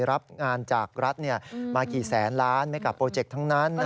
รับงานจากรัฐมากี่แสนล้านไม่กลับโปรเจกต์ทั้งนั้น